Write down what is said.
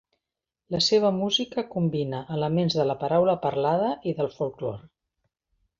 La seva música combina elements de la paraula parlada i del folklore.